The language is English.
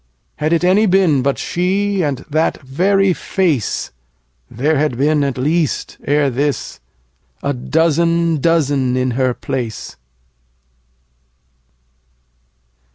Had it any been but she, And that very face, There had been at least ere this 15 A dozen dozen in her place.